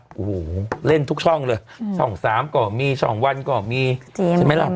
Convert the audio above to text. โอ้โหเล่นทุกช่องเลยช่อง๓ก็มีช่องวันก็มีใช่ไหมล่ะ